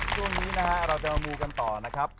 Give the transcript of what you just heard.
ช่วงนี้นะฮะเราจะมามูกันต่อนะครับ